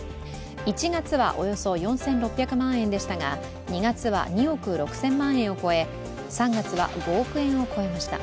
１月はおよそ４６００万円でしたが２月は２億６０００万円を超え３月は５億円を超えました。